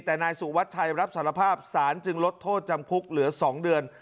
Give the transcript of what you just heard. แต่นายสุวัชชัยรับสารภาพสารจึงลดโทษจำคุกเหลือ๒เดือน